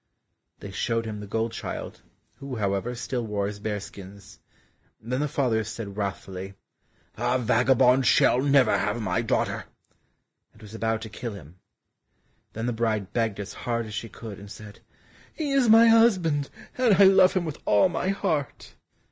They showed him the gold child, who, however, still wore his bear skins. Then the father said wrathfully, "A vagabond shall never have my daughter!" and was about to kill him. Then the bride begged as hard as she could, and said, "He is my husband, and I love him with all my heart!"